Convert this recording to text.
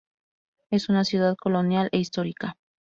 Es una ciudad colonial e histórica.